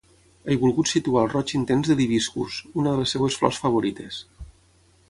He volgut situar el roig intens de l’hibiscus, una de les seues flors favorites.